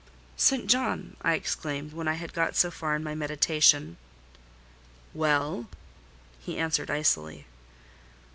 "St. John!" I exclaimed, when I had got so far in my meditation. "Well?" he answered icily.